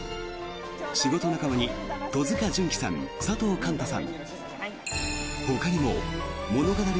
仕事仲間に戸塚純貴さん、佐藤寛太さん。